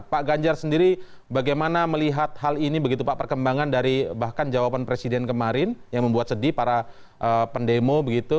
pak ganjar sendiri bagaimana melihat hal ini begitu pak perkembangan dari bahkan jawaban presiden kemarin yang membuat sedih para pendemo begitu